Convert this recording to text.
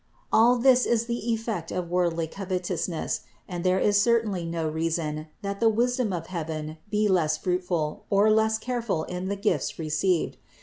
All this is the effect of worldly covetousness, and there is certainly no reason, that the wisdom of heaven be less fruitful or less careful in the gifts received.